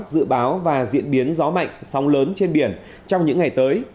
dự báo và diễn biến gió mạnh sóng lớn trên biển trong những ngày tới